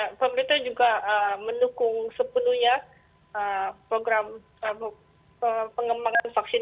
ya pemerintah juga mendukung sepenuhnya program pengembangan vaksin